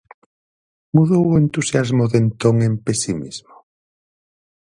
Mudou o entusiasmo de entón en pesimismo?